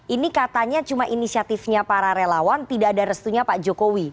ini katanya cuma inisiatifnya para relawan tidak ada restunya pak jokowi